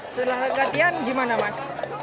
setelah latihan gimana mas